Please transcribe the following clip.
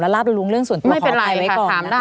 และรับรวมรุงเรื่องส่วนตัวของอายไว้ก่อน